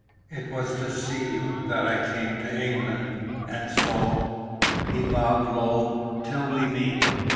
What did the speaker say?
"It was to see you that I came to England, and so " he bowed low, "till we meet."